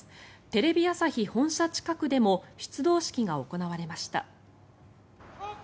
テレビ朝日本社近くでも出動式が行われました。